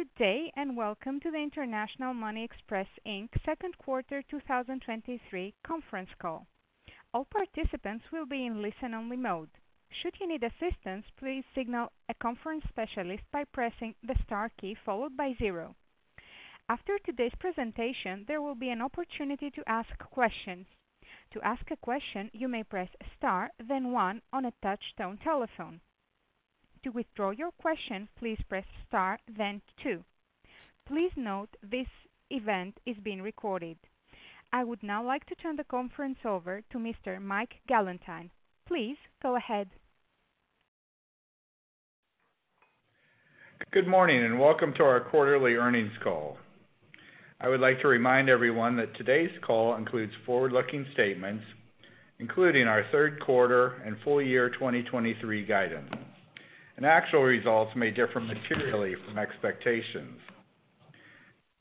Good day, and welcome to the International Money Express, Inc.'s second quarter 2023 conference call. All participants will be in listen-only mode. Should you need assistance, please signal a conference specialist by pressing the star key followed by zero. After today's presentation, there will be an opportunity to ask questions. To ask a question, you may press star, then one on a touchtone telephone. To withdraw your question, please press star, then two. Please note, this event is being recorded. I would now like to turn the conference over to Mr. Mike Gallinson. Please go ahead. Good morning, welcome to our quarterly earnings call. I would like to remind everyone that today's call includes forward-looking statements, including our third quarter and full year 2023 guidance, and actual results may differ materially from expectations.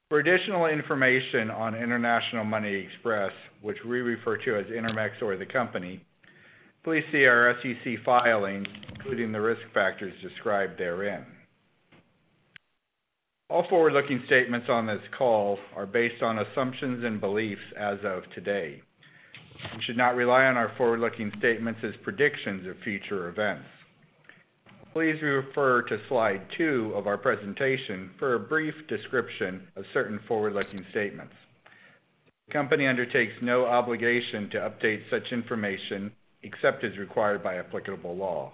For additional information on International Money Express, which we refer to as Intermex or the company, please see our SEC filings, including the risk factors described therein. All forward-looking statements on this call are based on assumptions and beliefs as of today. You should not rely on our forward-looking statements as predictions of future events. Please refer to slide 2 of our presentation for a brief description of certain forward-looking statements. The company undertakes no obligation to update such information except as required by applicable law.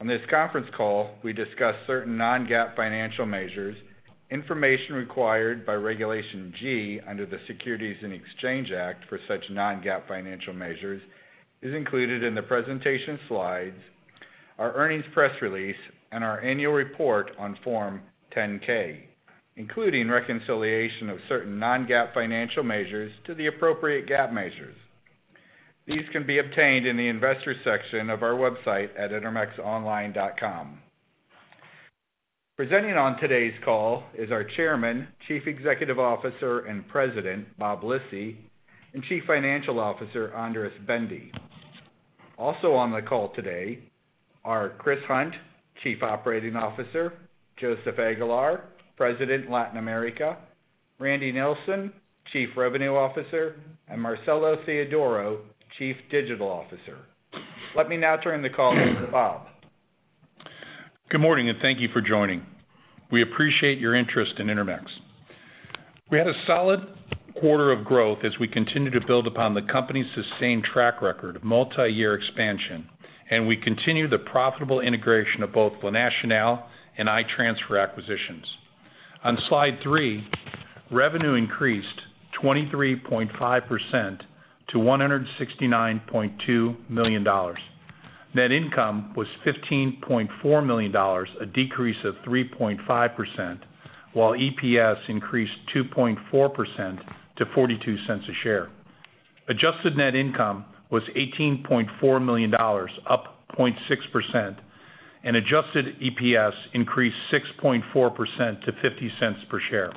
On this conference call, we discuss certain non-GAAP financial measures. Information required by Regulation G under the Securities Exchange Act for such non-GAAP financial measures is included in the presentation slides, our earnings press release, and our annual report on Form 10-K, including reconciliation of certain non-GAAP financial measures to the appropriate GAAP measures. These can be obtained in the Investors section of our website at intermexonline.com. Presenting on today's call is our Chairman, Chief Executive Officer, and President, Bob Lisy, and Chief Financial Officer, Andras Bende. Also on the call today are Chris Hunt, Chief Operating Officer, Joseph Aguilar, President, Latin America, Randy Nelson, Chief Revenue Officer, and Marcelo Theodoro, Chief Digital Officer. Let me now turn the call over to Bob. Good morning, thank you for joining. We appreciate your interest in Intermex. We had a solid quarter of growth as we continue to build upon the company's sustained track record of multi-year expansion, and we continue the profitable integration of both La Nacional and i-Transfer acquisitions. On slide 3, revenue increased 23.5% to $169.2 million. Net income was $15.4 million, a decrease of 3.5%, while EPS increased 2.4% to $0.42 per share. Adjusted net income was $18.4 million, up 0.6%, and adjusted EPS increased 6.4% to $0.50 per share.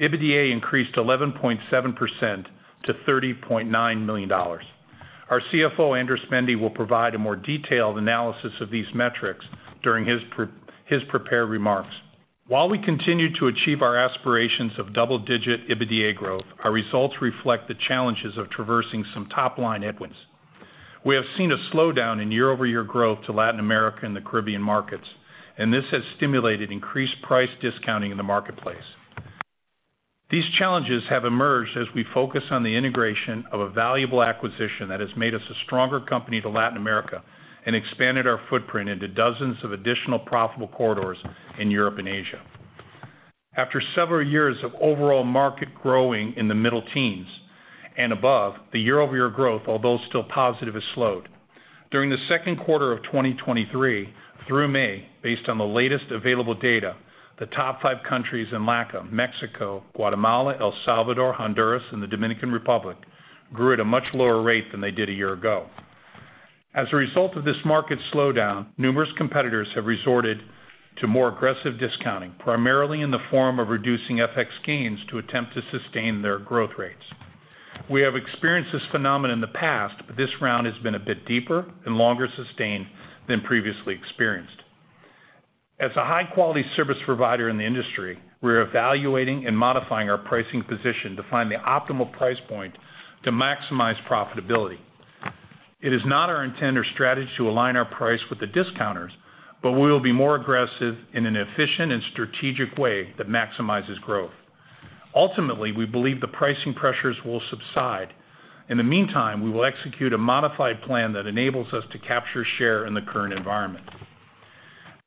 EBITDA increased 11.7% to $30.9 million. Our CFO, Andras Bende, will provide a more detailed analysis of these metrics during his pre-his prepared remarks. While we continue to achieve our aspirations of double-digit EBITDA growth, our results reflect the challenges of traversing some top-line headwinds. We have seen a slowdown in year-over-year growth to Latin America and the Caribbean markets, and this has stimulated increased price discounting in the marketplace. These challenges have emerged as we focus on the integration of a valuable acquisition that has made us a stronger company to Latin America and expanded our footprint into dozens of additional profitable corridors in Europe and Asia. After several years of overall market growing in the middle teens and above, the year-over-year growth, although still positive, has slowed. During the second quarter of 2023, through May, based on the latest available data, the top 5 countries in LACM, Mexico, Guatemala, El Salvador, Honduras, and the Dominican Republic, grew at a much lower rate than they did a year ago. As a result of this market slowdown, numerous competitors have resorted to more aggressive discounting, primarily in the form of reducing FX gains to attempt to sustain their growth rates. We have experienced this phenomenon in the past, but this round has been a bit deeper and longer sustained than previously experienced. As a high-quality service provider in the industry, we're evaluating and modifying our pricing position to find the optimal price point to maximize profitability. It is not our intent or strategy to align our price with the discounters, but we will be more aggressive in an efficient and strategic way that maximizes growth. Ultimately, we believe the pricing pressures will subside. In the meantime, we will execute a modified plan that enables us to capture share in the current environment.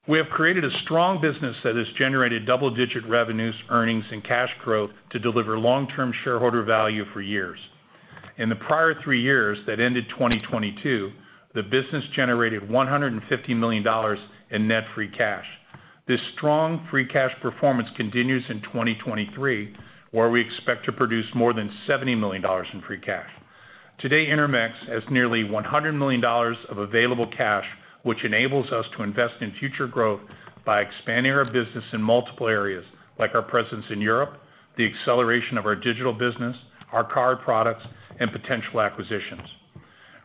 We have created a strong business that has generated double-digit revenues, earnings, and cash growth to deliver long-term shareholder value for years. In the prior 3 years that ended 2022, the business generated $150 million in net free cash. This strong free cash performance continues in 2023, where we expect to produce more than $70 million in free cash. Today, Intermex has nearly $100 million of available cash, which enables us to invest in future growth by expanding our business in multiple areas, like our presence in Europe, the acceleration of our digital business, our card products, and potential acquisitions.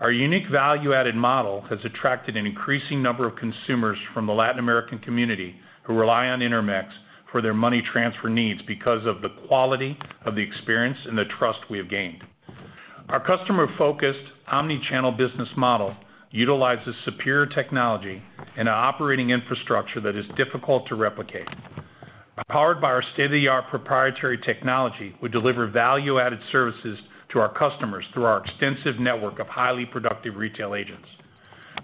Our unique value-added model has attracted an increasing number of consumers from the Latin American community, who rely on Intermex for their money transfer needs because of the quality of the experience and the trust we have gained. Our customer-focused, omni-channel business model utilizes superior technology and an operating infrastructure that is difficult to replicate. Powered by our state-of-the-art proprietary technology, we deliver value-added services to our customers through our extensive network of highly productive retail agents.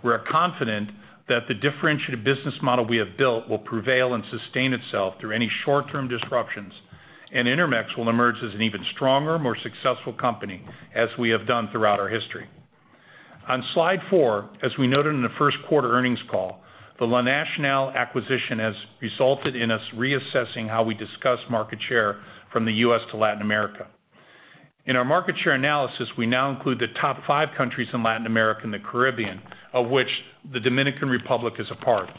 We are confident that the differentiated business model we have built will prevail and sustain itself through any short-term disruptions, and Intermex will emerge as an even stronger, more successful company, as we have done throughout our history. On slide 4, as we noted in the first quarter earnings call, the La Nacional acquisition has resulted in us reassessing how we discuss market share from the U.S. to Latin America. In our market share analysis, we now include the top five countries in Latin America and the Caribbean, of which the Dominican Republic is a part.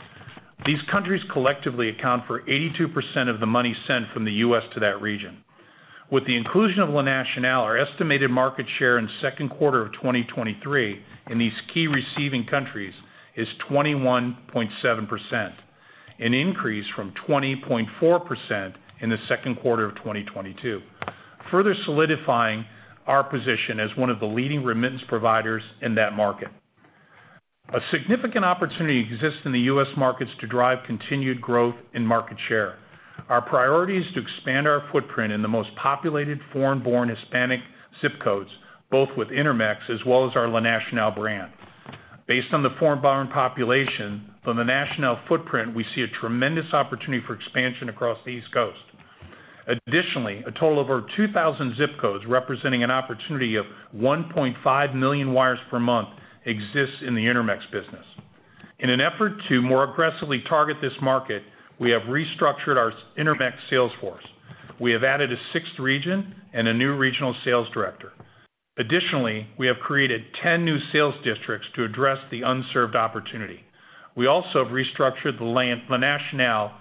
These countries collectively account for 82% of the money sent from the U.S. to that region. With the inclusion of La Nacional, our estimated market share in second quarter of 2023 in these key receiving countries is 21.7%, an increase from 20.4% in the second quarter of 2022, further solidifying our position as one of the leading remittance providers in that market. A significant opportunity exists in the U.S. markets to drive continued growth in market share. Our priority is to expand our footprint in the most populated foreign-born Hispanic zip codes, both with Intermex as well as our La Nacional brand. Based on the foreign-born population, from the La Nacional footprint, we see a tremendous opportunity for expansion across the East Coast. Additionally, a total of over 2,000 zip codes, representing an opportunity of 1.5 million wires per month, exists in the Intermex business. In an effort to more aggressively target this market, we have restructured our Intermex sales force. We have added a 6th region and a new regional sales director. Additionally, we have created 10 new sales districts to address the unserved opportunity. We also have restructured the La Nacional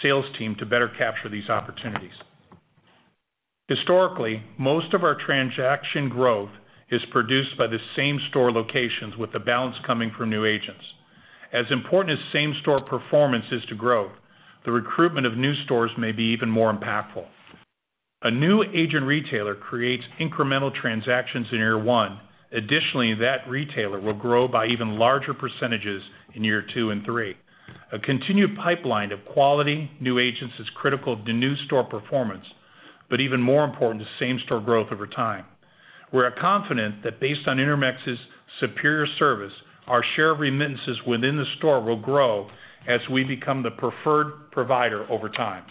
sales team to better capture these opportunities. Historically, most of our transaction growth is produced by the same store locations, with the balance coming from new agents. As important as same store performance is to growth, the recruitment of new stores may be even more impactful. A new agent retailer creates incremental transactions in year 1. Additionally, that retailer will grow by even larger percentages in year 2 and 3. A continued pipeline of quality new agents is critical to new store performance, but even more important to same store growth over time. We are confident that based on Intermex's superior service, our share of remittances within the store will grow as we become the preferred provider over time.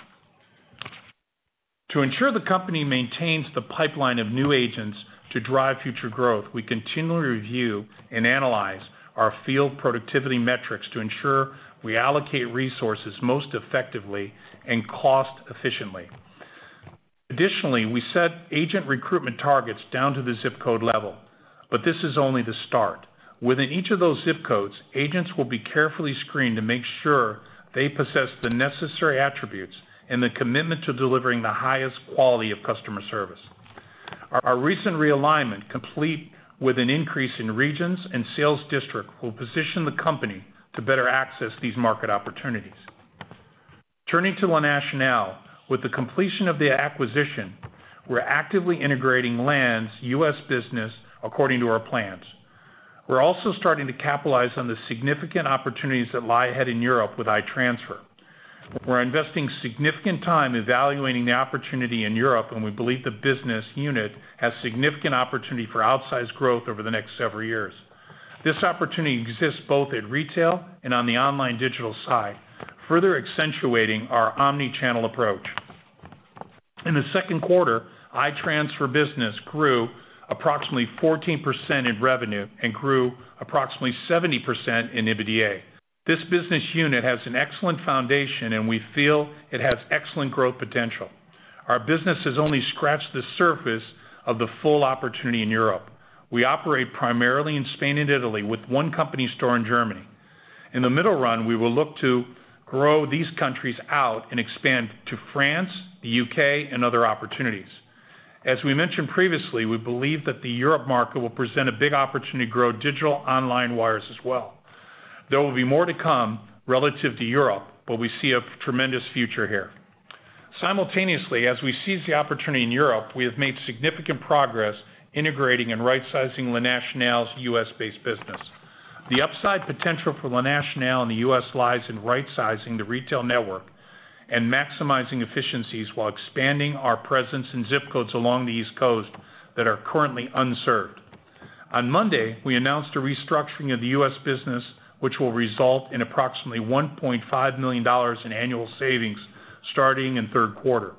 To ensure the company maintains the pipeline of new agents to drive future growth, we continually review and analyze our field productivity metrics to ensure we allocate resources most effectively and cost efficiently. Additionally, we set agent recruitment targets down to the zip code level, but this is only the start. Within each of those zip codes, agents will be carefully screened to make sure they possess the necessary attributes and the commitment to delivering the highest quality of customer service. Our recent realignment, complete with an increase in regions and sales district, will position the company to better access these market opportunities. Turning to La Nacional, with the completion of the acquisition, we're actively integrating LAN's U.S. business according to our plans. We're also starting to capitalize on the significant opportunities that lie ahead in Europe with i-Transfer. We're investing significant time evaluating the opportunity in Europe, and we believe the business unit has significant opportunity for outsized growth over the next several years. This opportunity exists both at retail and on the online digital side, further accentuating our omni-channel approach. In the second quarter, i-Transfer business grew approximately 14% in revenue and grew approximately 70% in EBITDA. This business unit has an excellent foundation, and we feel it has excellent growth potential. Our business has only scratched the surface of the full opportunity in Europe. We operate primarily in Spain and Italy, with one company store in Germany. In the middle run, we will look to grow these countries out and expand to France, the U.K., and other opportunities. As we mentioned previously, we believe that the Europe market will present a big opportunity to grow digital online wires as well. There will be more to come relative to Europe, but we see a tremendous future here. Simultaneously, as we seize the opportunity in Europe, we have made significant progress integrating and rightsizing La Nacional's U.S.-based business. The upside potential for La Nacional in the U.S. lies in rightsizing the retail network and maximizing efficiencies while expanding our presence in zip codes along the East Coast that are currently unserved. On Monday, we announced a restructuring of the U.S. business, which will result in approximately $1.5 million in annual savings starting in third quarter.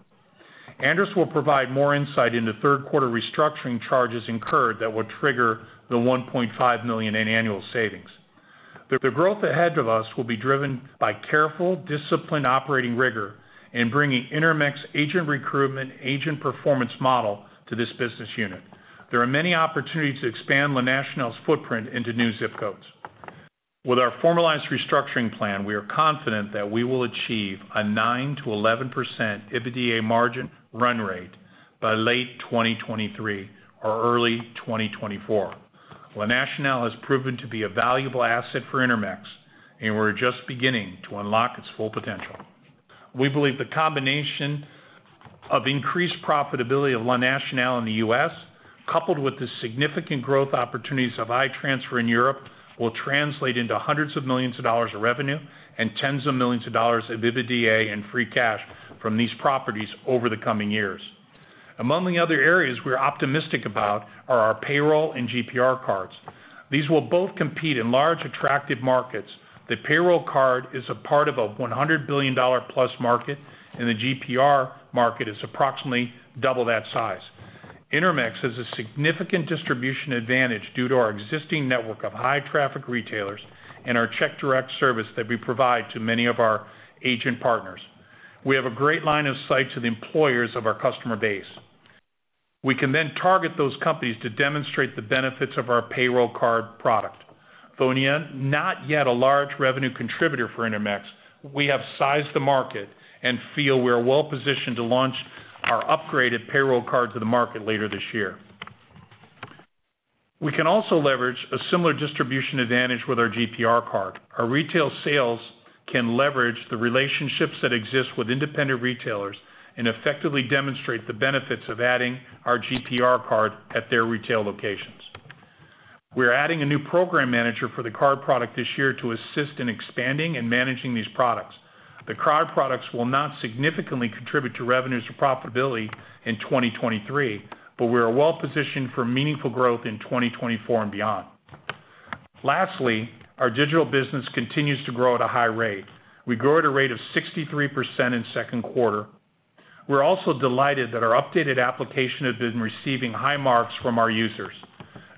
Andras will provide more insight into third quarter restructuring charges incurred that will trigger the $1.5 million in annual savings. The growth ahead of us will be driven by careful, disciplined operating rigor in bringing Intermex agent recruitment, agent performance model to this business unit. There are many opportunities to expand La Nacional's footprint into new zip codes. With our formalized restructuring plan, we are confident that we will achieve a 9%-11% EBITDA margin run rate by late 2023 or early 2024. La Nacional has proven to be a valuable asset for Intermex, and we're just beginning to unlock its full potential. We believe the combination of increased profitability of La Nacional in the U.S., coupled with the significant growth opportunities of i-Transfer in Europe, will translate into $hundreds of millions of revenue and $tens of millions of EBITDA and free cash from these properties over the coming years. Among the other areas we're optimistic about are our payroll and GPR cards. These will both compete in large, attractive markets. The payroll card is a part of a $100 billion+ market, and the GPR market is approximately double that size. Intermex has a significant distribution advantage due to our existing network of high-traffic retailers and our Check Direct service that we provide to many of our agent partners. We have a great line of sight to the employers of our customer base. We can then target those companies to demonstrate the benefits of our payroll card product. Though not yet a large revenue contributor for Intermex, we have sized the market and feel we are well-positioned to launch our upgraded payroll card to the market later this year. We can also leverage a similar distribution advantage with our GPR card. Our retail sales can leverage the relationships that exist with independent retailers and effectively demonstrate the benefits of adding our GPR card at their retail locations. We're adding a new program manager for the card product this year to assist in expanding and managing these products. The card products will not significantly contribute to revenues or profitability in 2023, but we are well-positioned for meaningful growth in 2024 and beyond. Lastly, our digital business continues to grow at a high rate. We grew at a rate of 63% in second quarter. We're also delighted that our updated application has been receiving high marks from our users.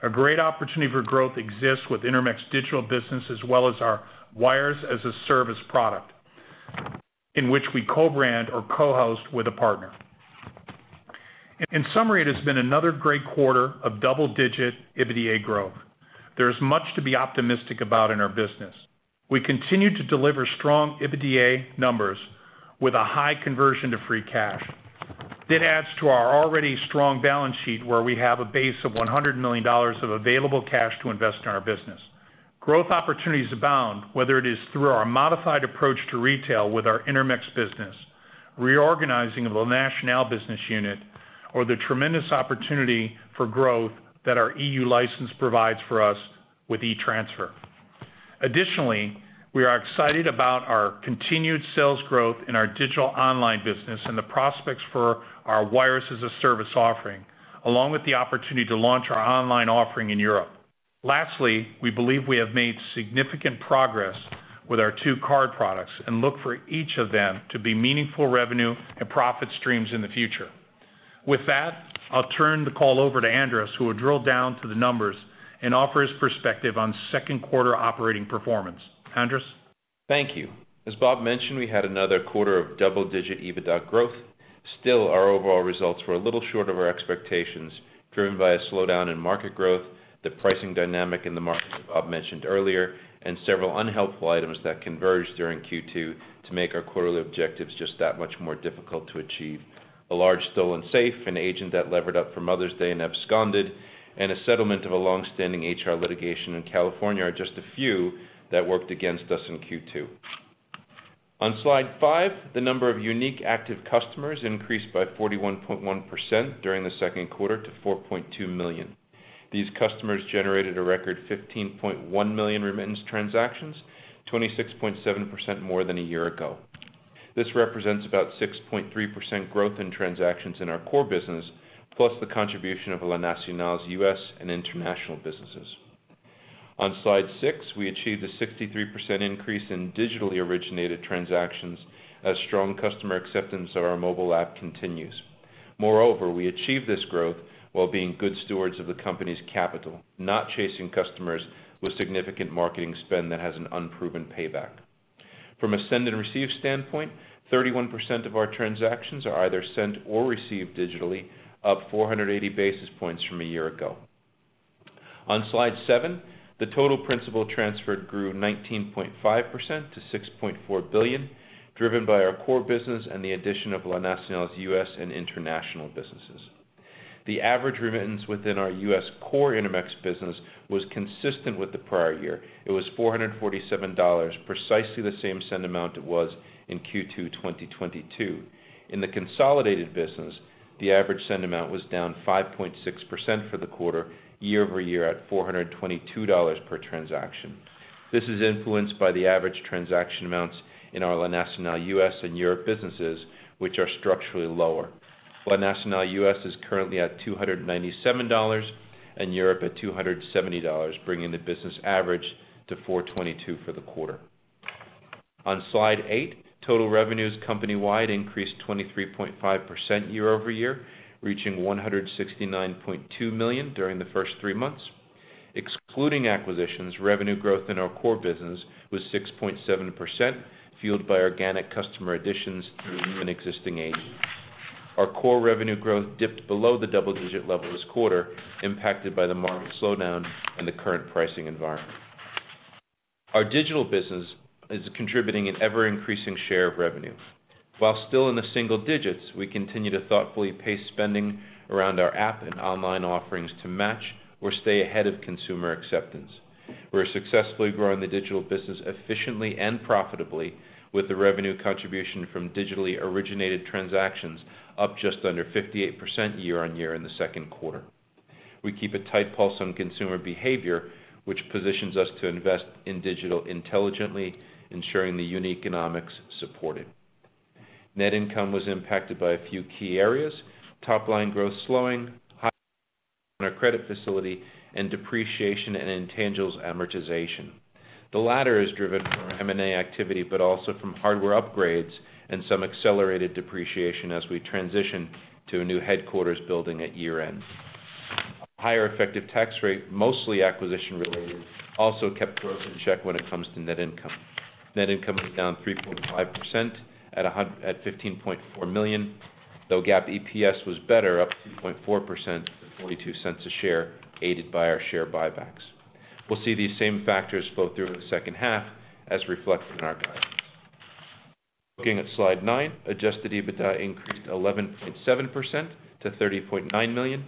A great opportunity for growth exists with Intermex digital business, as well as our Wires-as-a-Service product, in which we co-brand or co-host with a partner. In summary, it has been another great quarter of double-digit EBITDA growth. There is much to be optimistic about in our business. We continue to deliver strong EBITDA numbers with a high conversion to free cash. That adds to our already strong balance sheet, where we have a base of $100 million of available cash to invest in our business. Growth opportunities abound, whether it is through our modified approach to retail with our Intermex business, reorganizing of La Nacional business unit, or the tremendous opportunity for growth that our EU license provides for us with i-Transfer. Additionally, we are excited about our continued sales growth in our digital online business and the prospects for our Wires-as-a-Service offering, along with the opportunity to launch our online offering in Europe. Lastly, we believe we have made significant progress with our two card products and look for each of them to be meaningful revenue and profit streams in the future. With that, I'll turn the call over to Andras, who will drill down to the numbers and offer his perspective on second quarter operating performance. Andras? Thank you. As Bob mentioned, we had another quarter of double-digit EBITDA growth. Our overall results were a little short of our expectations, driven by a slowdown in market growth, the pricing dynamic in the market, as Bob mentioned earlier, and several unhelpful items that converged during Q2 to make our quarterly objectives just that much more difficult to achieve. A large stolen safe, an agent that levered up for Mother's Day and absconded, and a settlement of a long-standing HR litigation in California are just a few that worked against us in Q2. Slide 5, the number of unique active customers increased by 41.1% during the second quarter to 4.2 million. These customers generated a record 15.1 million remittance transactions, 26.7% more than a year ago. This represents about 6.3% growth in transactions in our core business, plus the contribution of La Nacional's U.S. and international businesses. On Slide 6, we achieved a 63% increase in digitally originated transactions as strong customer acceptance of our mobile app continues. Moreover, we achieved this growth while being good stewards of the company's capital, not chasing customers with significant marketing spend that has an unproven payback. From a send and receive standpoint, 31% of our transactions are either sent or received digitally, up 480 basis points from a year ago. On Slide 7, the total principal transferred grew 19.5% to $6.4 billion, driven by our core business and the addition of La Nacional's U.S. and international businesses. The average remittance within our U.S. core Intermex business was consistent with the prior year. It was $447, precisely the same send amount it was in Q2 2022. In the consolidated business, the average send amount was down 5.6% for the quarter, year-over-year at $422 per transaction. This is influenced by the average transaction amounts in our La Nacional US and Europe businesses, which are structurally lower. La Nacional US is currently at $297, and Europe at $270, bringing the business average to $422 for the quarter. On Slide 8, total revenues company-wide increased 23.5% year-over-year, reaching $169.2 million during the first three months. Excluding acquisitions, revenue growth in our core business was 6.7%, fueled by organic customer additions through an existing agent. Our core revenue growth dipped below the double-digit level this quarter, impacted by the market slowdown and the current pricing environment. Our digital business is contributing an ever-increasing share of revenue. While still in the single digits, we continue to thoughtfully pace spending around our app and online offerings to match or stay ahead of consumer acceptance. We're successfully growing the digital business efficiently and profitably, with the revenue contribution from digitally originated transactions up just under 58% year-on-year in the second quarter. We keep a tight pulse on consumer behavior, which positions us to invest in digital intelligently, ensuring the unique economics supported. Net income was impacted by a few key areas: top-line growth slowing, high on our credit facility, and depreciation and intangibles amortization. The latter is driven from our M&A activity, but also from hardware upgrades and some accelerated depreciation as we transition to a new headquarters building at year-end. Higher effective tax rate, mostly acquisition-related, also kept growth in check when it comes to net income. Net income was down 3.5% at $15.4 million, though GAAP EPS was better, up 2.4% to $0.42 a share, aided by our share buybacks. We'll see these same factors flow through in the second half as reflected in our guidance. Looking at slide 9, adjusted EBITDA increased 11.7% to $30.9 million,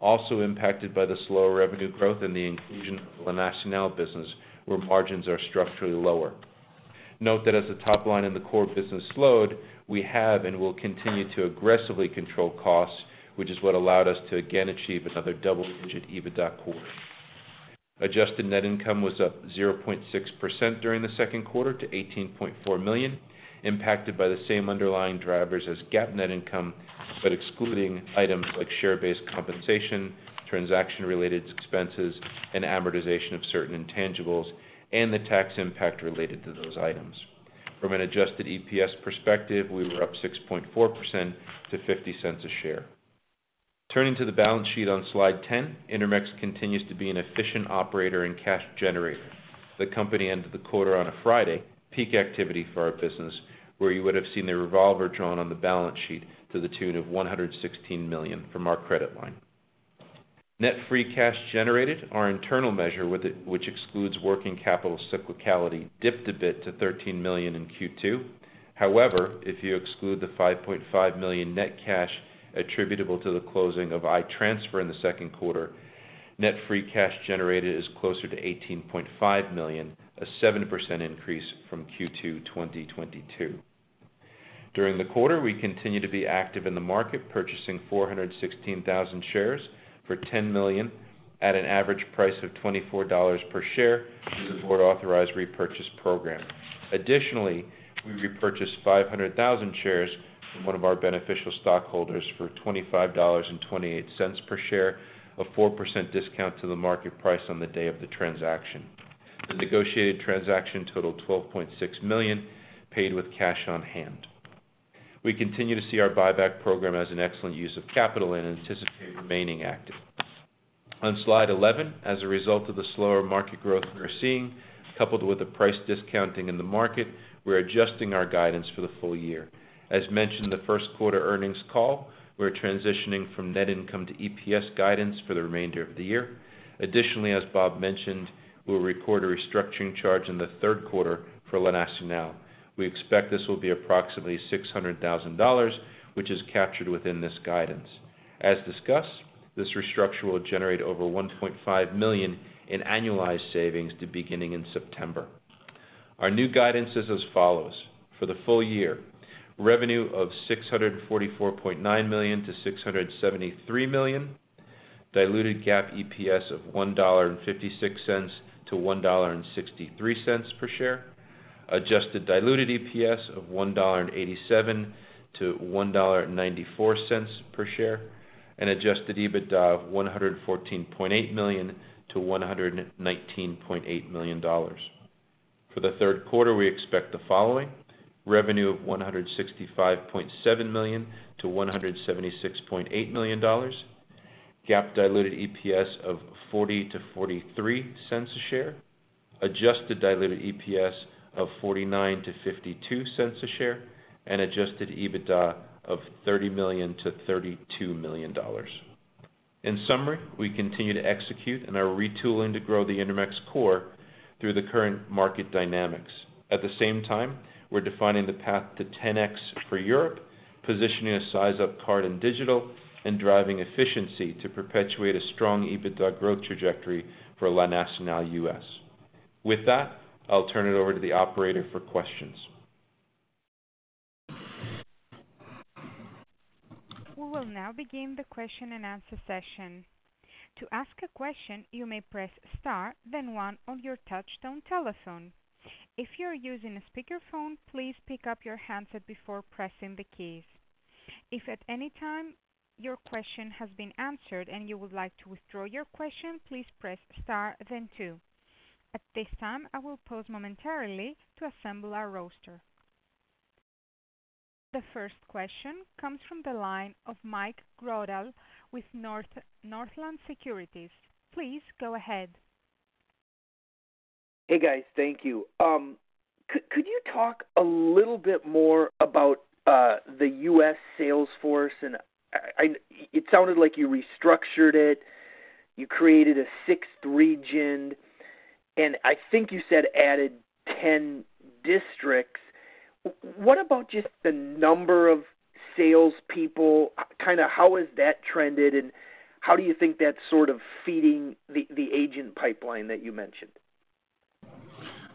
also impacted by the slower revenue growth and the inclusion of the La Nacional business, where margins are structurally lower. Note that as the top line in the core business slowed, we have and will continue to aggressively control costs, which is what allowed us to again achieve another double-digit EBITDA quarter. Adjusted net income was up 0.6% during the second quarter to $18.4 million, impacted by the same underlying drivers as GAAP net income, excluding items like share-based compensation, transaction-related expenses, and amortization of certain intangibles, and the tax impact related to those items. From an adjusted EPS perspective, we were up 6.4% to $0.50 a share. Turning to the balance sheet on slide 10, Intermex continues to be an efficient operator and cash generator. The company ended the quarter on a Friday, peak activity for our business, where you would have seen the revolver drawn on the balance sheet to the tune of $116 million from our credit line. Net free cash generated, our internal measure, which excludes working capital cyclicality, dipped a bit to $13 million in Q2. However, if you exclude the $5.5 million net cash attributable to the closing of i-Transfer in the second quarter, net free cash generated is closer to $18.5 million, a 7% increase from Q2 2022. During the quarter, we continued to be active in the market, purchasing 416,000 shares for $10 million at an average price of $24 per share through the board-authorized repurchase program. We repurchased 500,000 shares from one of our beneficial stockholders for $25.28 per share, a 4% discount to the market price on the day of the transaction. The negotiated transaction totaled $12.6 million, paid with cash on hand. We continue to see our buyback program as an excellent use of capital and anticipate remaining active. On slide 11, as a result of the slower market growth we're seeing, coupled with the price discounting in the market, we're adjusting our guidance for the full year. As mentioned in the 1st quarter earnings call, we're transitioning from net income to EPS guidance for the remainder of the year. As Bob mentioned, we'll record a restructuring charge in the 3rd quarter for La Nacional. We expect this will be approximately $600,000, which is captured within this guidance. As discussed, this restructure will generate over $1.5 million in annualized savings to beginning in September. Our new guidance is as follows: For the full year, revenue of $644.9 million-$673 million, diluted GAAP EPS of $1.56-$1.63 per share, adjusted diluted EPS of $1.87-$1.94 per share, and adjusted EBITDA of $114.8 million-$119.8 million. For the third quarter, we expect the following: revenue of $165.7 million-$176.8 million, GAAP diluted EPS of $0.40-$0.43 a share, adjusted diluted EPS of $0.49-$0.52 a share, and adjusted EBITDA of $30 million-$32 million. In summary, we continue to execute and are retooling to grow the Intermex core through the current market dynamics. At the same time, we're defining the path to 10x for Europe, positioning a size-up card in digital, and driving efficiency to perpetuate a strong EBITDA growth trajectory for La Nacional U.S. With that, I'll turn it over to the operator for questions. We will now begin the question-and-answer session. To ask a question, you may press star, then one on your touch-tone telephone. If you are using a speakerphone, please pick up your handset before pressing the keys. If at any time your question has been answered and you would like to withdraw your question, please press star, then two. At this time, I will pause momentarily to assemble our roster. The first question comes from the line of Mike Grondahl with Northland Securities. Please go ahead. Hey, guys, thank you. Could you talk a little bit more about the U.S. sales force? It sounded like you restructured it, you created a sixth region, and I think you said added 10 districts. What about just the number of salespeople? Kinda, how has that trended, and how do you think that's sort of feeding the, the agent pipeline that you mentioned?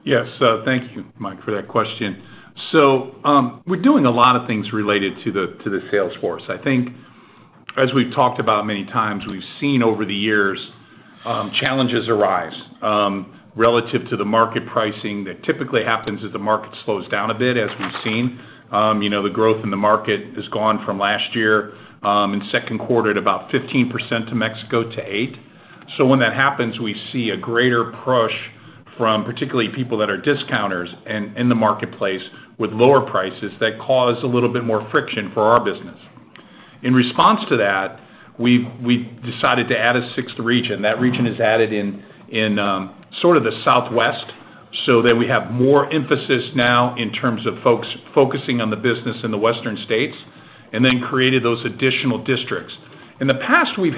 Yes. thank you, Mike, for that question. We're doing a lot of things related to the sales force. I think, as we've talked about many times, we've seen over the years, challenges arise, relative to the market pricing that typically happens as the market slows down a bit, as we've seen. you know, the growth in the market has gone from last year, in second quarter, at about 15% to Mexico to 8%. When that happens, we see a greater push from particularly people that are discounters in, in the marketplace with lower prices that cause a little bit more friction for our business. In response to that, we decided to add a sixth region. That region is added in, in sort of the Southwest, so that we have more emphasis now in terms of folks focusing on the business in the Western states, and then created those additional districts. In the past we've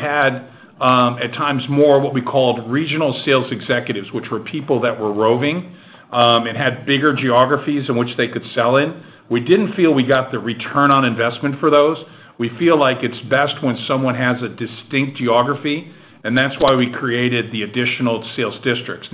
had at times more what we called regional sales executives, which were people that were roving and had bigger geographies in which they could sell in. We didn't feel we got the Return on Investment for those. We feel like it's best when someone has a distinct geography, and that's why we created the additional sales districts.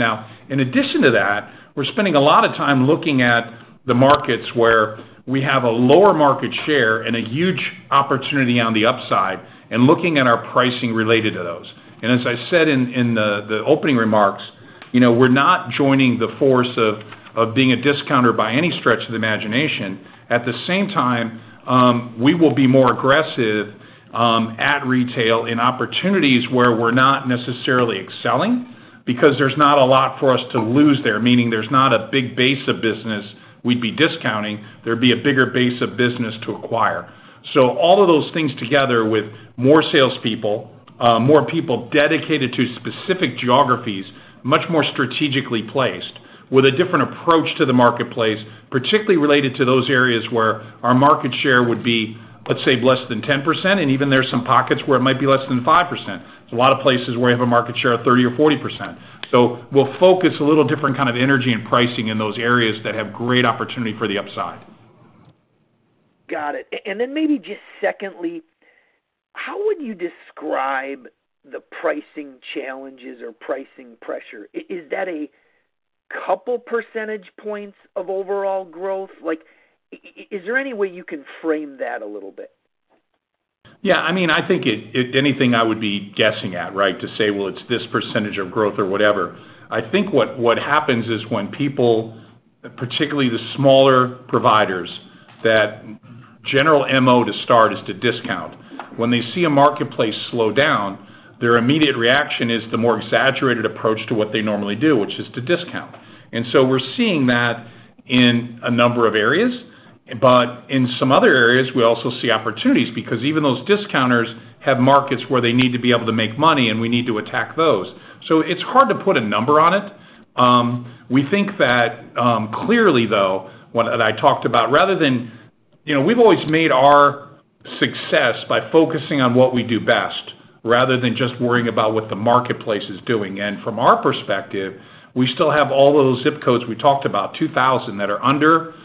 In addition to that, we're spending a lot of time looking at the markets where we have a lower market share and a huge opportunity on the upside, and looking at our pricing related to those. As I said in the opening remarks, you know, we're not joining the force of being a discounter by any stretch of the imagination. At the same time, we will be more aggressive at retail in opportunities where we're not necessarily excelling, because there's not a lot for us to lose there, meaning there's not a big base of business we'd be discounting, there'd be a bigger base of business to acquire. All of those things together with more salespeople, more people dedicated to specific geographies, much more strategically placed, with a different approach to the marketplace, particularly related to those areas where our market share would be, let's say, less than 10%, and even there are some pockets where it might be less than 5%. There's a lot of places where we have a market share of 30% or 40%. We'll focus a little different kind of energy and pricing in those areas that have great opportunity for the upside. Got it. Then maybe just secondly, how would you describe the pricing challenges or pricing pressure? Is that a couple percentage points of overall growth? Like, is there any way you can frame that a little bit? Yeah, I mean, I think it, it anything I would be guessing at, right, to say, well, it's this % of growth or whatever. I think what, what happens is when people, particularly the smaller providers, that general MO to start is to discount. When they see a marketplace slow down, their immediate reaction is the more exaggerated approach to what they normally do, which is to discount. We're seeing that in a number of areas, but in some other areas, we also see opportunities, because even those discounters have markets where they need to be able to make money, and we need to attack those. It's hard to put a number on it. We think that, clearly, though, that I talked about rather than... You know, we've always made our success by focusing on what we do best, rather than just worrying about what the marketplace is doing. From our perspective, we still have all those zip codes we talked about, 2,000, that are under,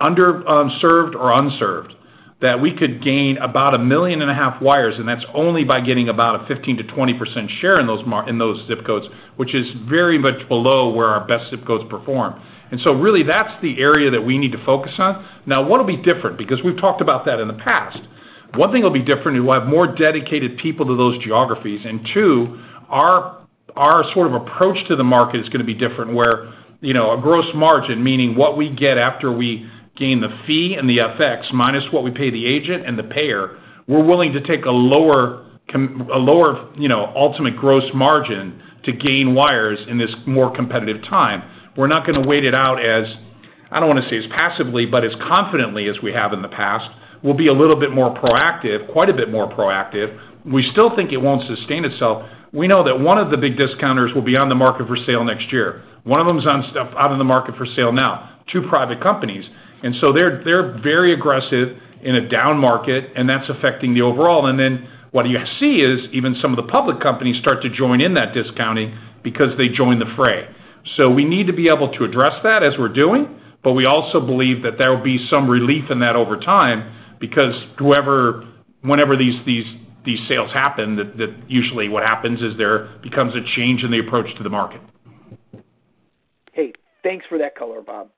under served or unserved, that we could gain about 1.5 million wires, and that's only by getting about a 15%-20% share in those in those zip codes, which is very much below where our best zip codes perform. So really, that's the area that we need to focus on. Now, what'll be different? We've talked about that in the past. One thing that'll be different is we'll have more dedicated people to those geographies, and two, our, our sort of approach to the market is gonna be different, where, you know, a gross margin, meaning what we get after we gain the fee and the FX, minus what we pay the agent and the payer, we're willing to take a lower a lower, you know, ultimate gross margin to gain wires in this more competitive time. We're not gonna wait it out as, I don't wanna say, as passively, but as confidently as we have in the past. We'll be a little bit more proactive, quite a bit more proactive. We still think it won't sustain itself. We know that one of the big discounters will be on the market for sale next year. One of them is on stuff-- out in the market for sale now, two private companies. They're, they're very aggressive in a down market, and that's affecting the overall. What you see is, even some of the public companies start to join in that discounting because they join the fray. We need to be able to address that as we're doing, but we also believe that there will be some relief in that over time, because whoever-- whenever these, these, these sales happen, the, the usually what happens is there becomes a change in the approach to the market. Hey, thanks for that color, Bob.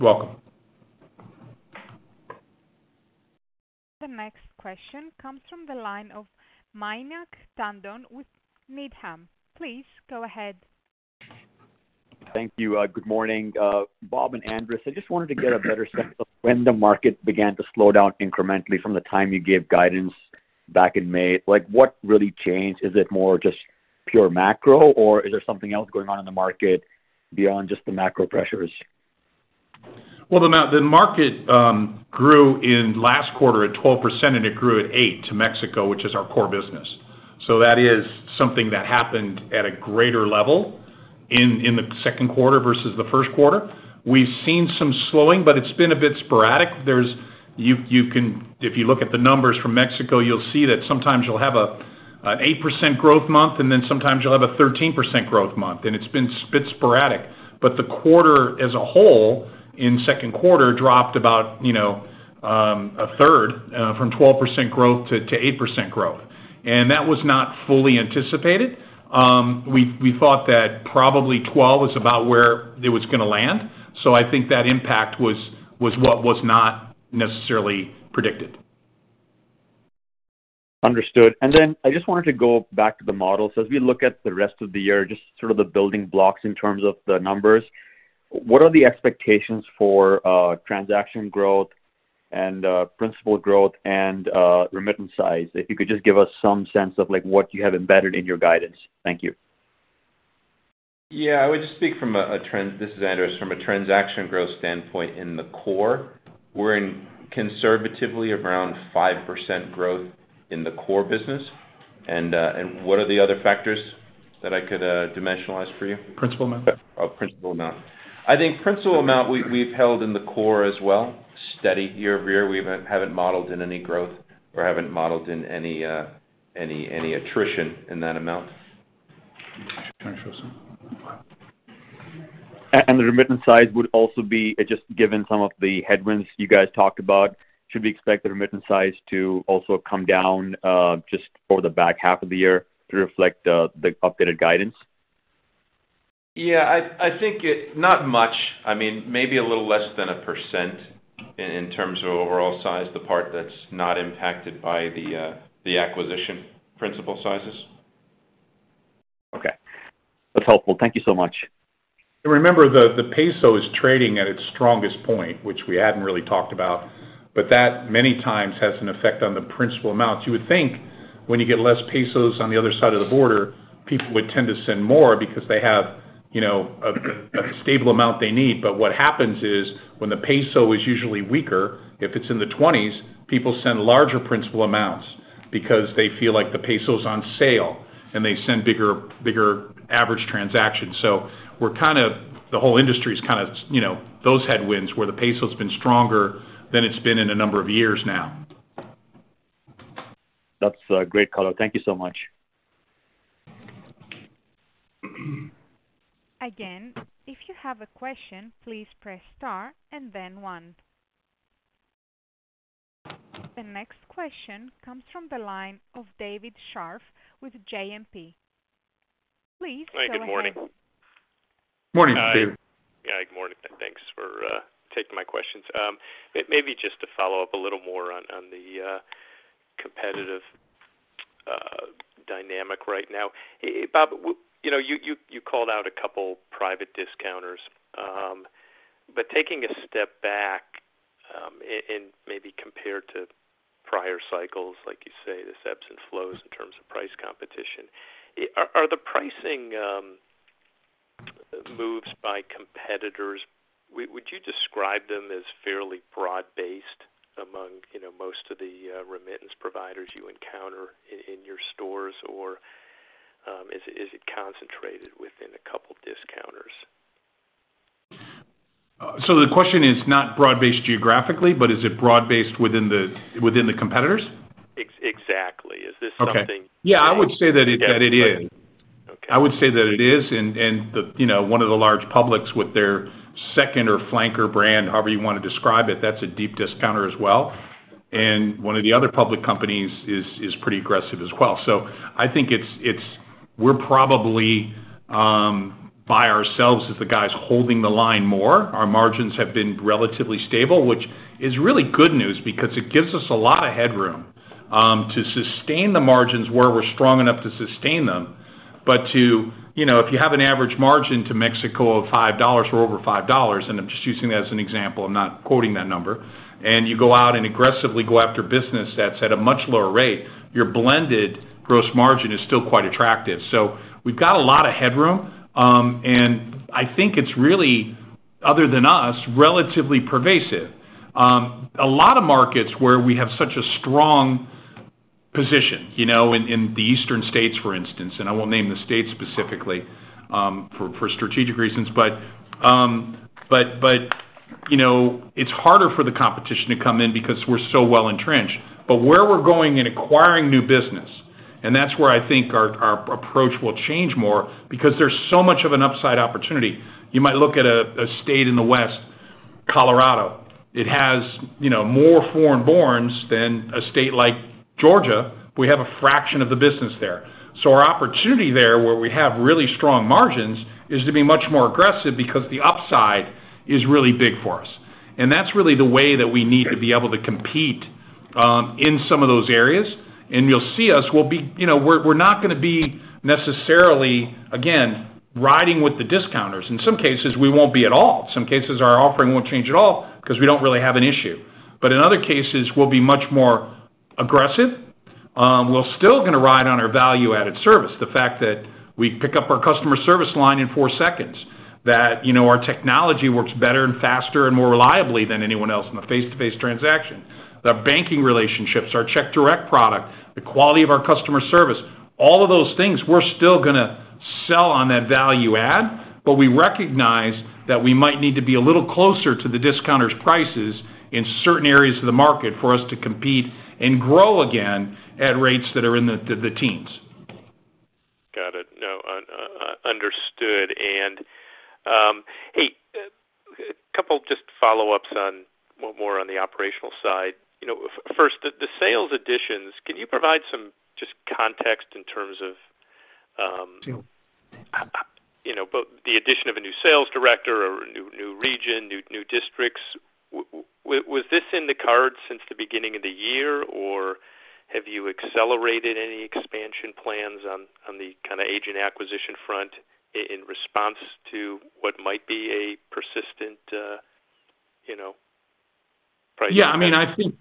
You're welcome. The next question comes from the line of Mayank Tandon with Needham & Company. Please go ahead. Thank you. Good morning, Bob and Andras. I just wanted to get a better sense of when the market began to slow down incrementally from the time you gave guidance back in May. Like, what really changed? Is it more just pure macro, or is there something else going on in the market beyond just the macro pressures? The market grew in last quarter at 12%, and it grew at 8% to Mexico, which is our core business. That is something that happened at a greater level in the second quarter versus the first quarter. We've seen some slowing, but it's been a bit sporadic. If you look at the numbers from Mexico, you'll see that sometimes you'll have an 8% growth month, and then sometimes you'll have a 13% growth month, and it's been sporadic. The quarter as a whole, in second quarter, dropped about, you know, a third, from 12% growth to 8% growth. That was not fully anticipated. We thought that probably 12 was about where it was going to land. I think that impact was, was what was not necessarily predicted. Understood. Then I just wanted to go back to the model. As we look at the rest of the year, just sort of the building blocks in terms of the numbers, what are the expectations for transaction growth and principal growth and remittance size? If you could just give us some sense of, like, what you have embedded in your guidance. Thank you. Yeah, I would just speak from this is Andras, from a transaction growth standpoint in the core. We're in conservatively around 5% growth in the core business. What are the other factors that I could dimensionalize for you? Principal amount. Oh, principal amount. I think principal amount, we, we've held in the core as well, steady year-over-year. We haven't, haven't modeled in any growth or haven't modeled in any, any, any attrition in that amount. Can I show some? The remittance size would also be, just given some of the headwinds you guys talked about, should we expect the remittance size to also come down just over the back half of the year to reflect the updated guidance? Yeah, I, I think it, not much. I mean, maybe a little less than 1% in terms of overall size, the part that's not impacted by the acquisition principal sizes. Okay. That's helpful. Thank you so much. Remember, the, the peso is trading at its strongest point, which we hadn't really talked about, but that many times has an effect on the principal amount. You would think when you get less pesos on the other side of the border, people would tend to send more because they have, you know, a, a stable amount they need. What happens is, when the peso is usually weaker, if it's in the 20s, people send larger principal amounts because they feel like the peso is on sale, and they send bigger, bigger average transactions. We're kind of the whole industry is kind of, you know, those headwinds, where the peso has been stronger than it's been in a number of years now. That's a great color. Thank you so much. If you have a question, please press star and then one. The next question comes from the line of David Scharf with JMP. Please go ahead. Hi, good morning. Morning, David. Hi. Yeah, good morning, and thanks for taking my questions. Maybe just to follow up a little more on, on the competitive dynamic right now. Bob, you know, you, you, you called out a couple private discounters, but taking a step back, and maybe compared to prior cycles, like you say, this ebbs and flows in terms of price competition. Are the pricing moves by competitors, would you describe them as fairly broad-based among, you know, most of the remittance providers you encounter in your stores, or is it concentrated within a couple of discounters? The question is not broad-based geographically, but is it broad-based within the, within the competitors? exactly. Is this something- Okay. Yeah, I would say that it is. Okay. I would say that it is, and, and the, you know, one of the large publics with their second or flanker brand, however you want to describe it, that's a deep discounter as well. One of the other public companies is, is pretty aggressive as well. I think it's, it's we're probably by ourselves as the guys holding the line more. Our margins have been relatively stable, which is really good news because it gives us a lot of headroom to sustain the margins where we're strong enough to sustain them. To, you know, if you have an average margin to Mexico of $5 or over $5, and I'm just using that as an example, I'm not quoting that number, and you go out and aggressively go after business that's at a much lower rate, your blended gross margin is still quite attractive. We've got a lot of headroom, and I think it's really, other than us, relatively pervasive. A lot of markets where we have such a strong position, you know, in, in the eastern states, for instance, and I won't name the state specifically, for, for strategic reasons, but, you know, it's harder for the competition to come in because we're so well entrenched. Where we're going in acquiring new business, and that's where I think our, our approach will change more because there's so much of an upside opportunity. You might look at a, a state in the West, Colorado. It has, you know, more foreign-borns than a state like Georgia. We have a fraction of the business there. So our opportunity there, where we have really strong margins, is to be much more aggressive because the upside is really big for us. And that's really the way that we need to be able to compete, in some of those areas. And you'll see us, we'll be... You know, we're, we're not going to be necessarily, again, riding with the discounters. In some cases, we won't be at all. Some cases, our offering won't change at all because we don't really have an issue. In other cases, we'll be much more aggressive. We're still gonna ride on our value-added service. The fact that we pick up our customer service line in 4 seconds, that, you know, our technology works better and faster and more reliably than anyone else in a face-to-face transaction. The banking relationships, our Check Direct product, the quality of our customer service, all of those things, we're still gonna sell on that value add, but we recognize that we might need to be a little closer to the discounter's prices in certain areas of the market for us to compete and grow again at rates that are in the, the teens. Got it. No, understood. Hey, a couple just follow-ups on, more on the operational side. You know, first, the, the sales additions, can you provide some just context in terms of, you know, but the addition of a new sales director or a new, new region, new, new districts, was this in the cards since the beginning of the year, or have you accelerated any expansion plans on, on the kinda agent acquisition front in response to what might be a persistent, you know, price? Yeah, I mean, I think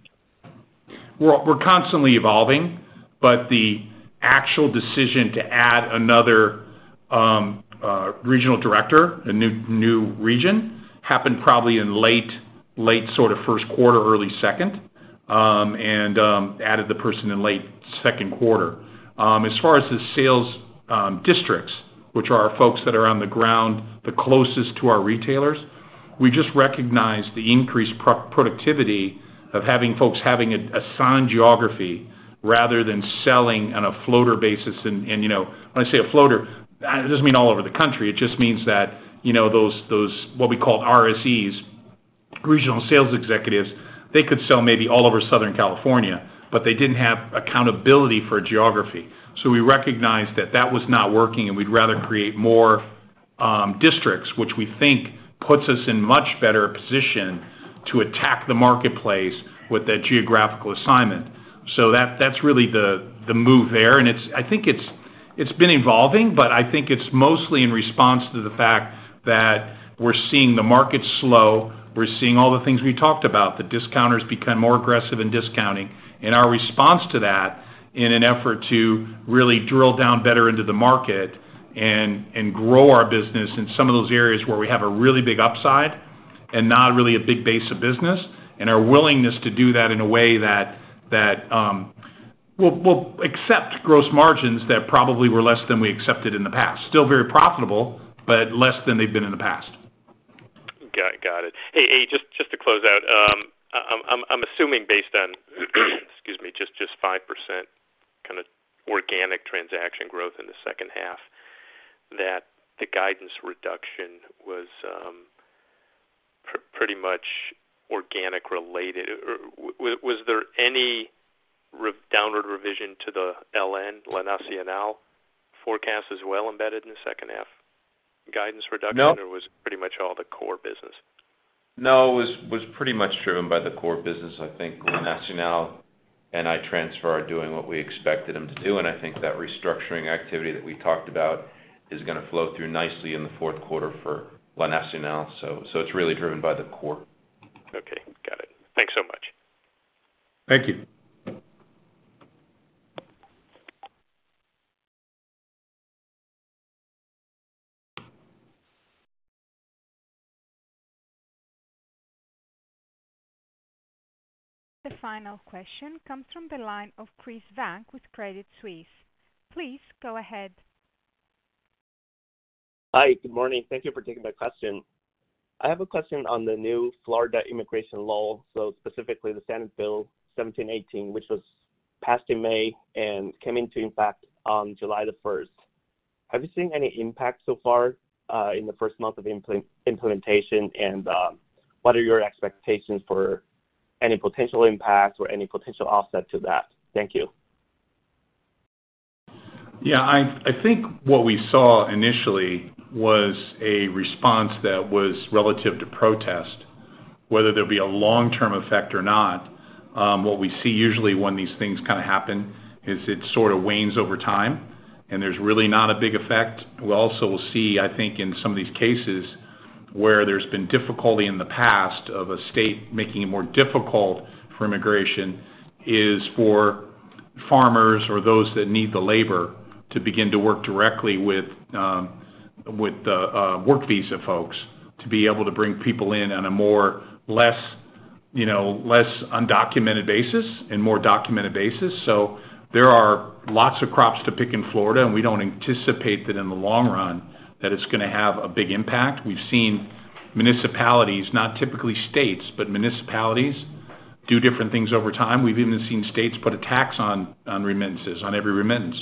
we're, we're constantly evolving, but the actual decision to add another, regional director, a new, new region, happened probably in late, late sort of first quarter, early second, and, added the person in late second quarter. As far as the sales, districts, which are our folks that are on the ground, the closest to our retailers, we just recognize the increased productivity of having folks having assigned geography rather than selling on a floater basis. You know, when I say a floater, it doesn't mean all over the country. It just means that, you know, those, those, what we call RSEs, regional sales executives, they could sell maybe all over Southern California, but they didn't have accountability for geography. We recognized that that was not working, and we'd rather create more districts, which we think puts us in much better position to attack the marketplace with that geographical assignment. That's really the, the move there, and it's. I think it's, it's been evolving, but I think it's mostly in response to the fact that we're seeing the market slow. We're seeing all the things we talked about. The discounters become more aggressive in discounting, and our response to that, in an effort to really drill down better into the market and, and grow our business in some of those areas where we have a really big upside and not really a big base of business, and our willingness to do that in a way that, that we'll, we'll accept gross margins that probably were less than we accepted in the past. Still very profitable, but less than they've been in the past. Got it. Hey, hey, just, just to close out, I'm, I'm assuming, based on, excuse me, just, just 5% kind of organic transaction growth in the second half, that the guidance reduction was, pretty much organic related. Or was there any downward revision to the LN, La Nacional forecast, as well, embedded in the second half guidance reduction? No. Was it pretty much all the core business? No, it was pretty much driven by the core business. I think La Nacional and i-Transfer are doing what we expected them to do, and I think that restructuring activity that we talked about is gonna flow through nicely in the fourth quarter for La Nacional. It's really driven by the core. Okay, got it. Thanks so much. Thank you. The final question comes from the line of Christopher Brendler with Credit Suisse. Please go ahead. Hi, good morning. Thank you for taking my question. I have a question on the new Florida immigration law, so specifically the Senate Bill 1718, which was passed in May and came into effect on July the 1st. Have you seen any impact so far in the 1st month of implementation? What are your expectations for any potential impacts or any potential offset to that? Thank you. Yeah, I, I think what we saw initially was a response that was relative to protest, whether there'd be a long-term effect or not. What we see usually when these things kinda happen, is it sort of wanes over time, and there's really not a big effect. We also will see, I think, in some of these cases, where there's been difficulty in the past of a state making it more difficult for immigration, is for farmers or those that need the labor to begin to work directly with, with the, work visa folks, to be able to bring people in on a more less, you know, less undocumented basis and more documented basis. There are lots of crops to pick in Florida, and we don't anticipate that in the long run, that it's gonna have a big impact. We've seen municipalities, not typically states, but municipalities, do different things over time. We've even seen states put a tax on, on remittances, on every remittance.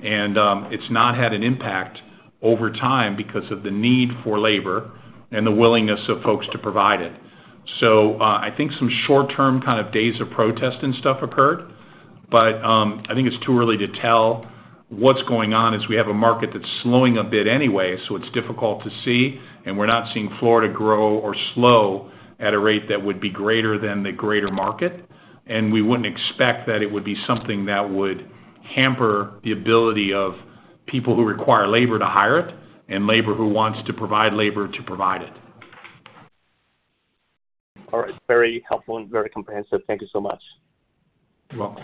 It's not had an impact over time because of the need for labor and the willingness of folks to provide it. I think some short term kind of days of protest and stuff occurred, but, I think it's too early to tell what's going on, as we have a market that's slowing a bit anyway, so it's difficult to see, and we're not seeing Florida grow or slow at a rate that would be greater than the greater market. We wouldn't expect that it would be something that would hamper the ability of people who require labor to hire it, and labor who wants to provide labor to provide it. All right. Very helpful and very comprehensive. Thank you so much. You're welcome.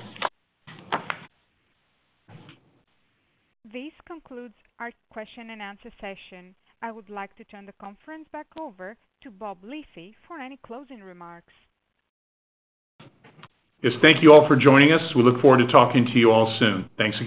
This concludes our question and answer session. I would like to turn the conference back over to Bob Lisy for any closing remarks. Yes, thank you all for joining us. We look forward to talking to you all soon. Thanks again.